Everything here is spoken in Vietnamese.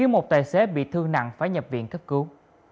một tài xế bị thương nặng phải nhập viện cấp cứu